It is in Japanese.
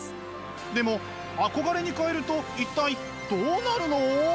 でも「憧れ」に換えると一体どうなるの？